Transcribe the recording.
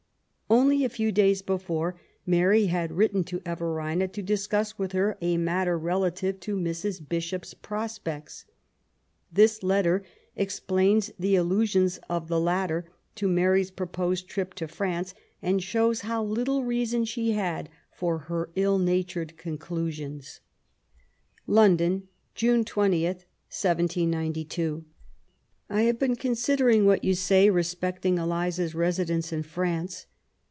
Only a few days before Mary had written to Everina to discuss with her a matter relative to Mrs. Bishop's prospects. This letter explains the allusions of the latter to Mary's proposed trip to France, and shows how little reason she had for her ill natured conclusions :— London, June 20, 1792. ... I have been considering what you say respecting Eliza's re sidence in France.